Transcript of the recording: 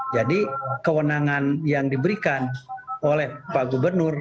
jadi kewenangan yang diberikan oleh pak gubernur